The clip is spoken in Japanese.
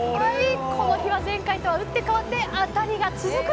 この日は前回とは打って変わってアタリが続く続く！